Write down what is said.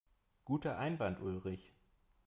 Guter Einwand, Ulrich.